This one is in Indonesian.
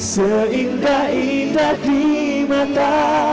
seindah indah di mata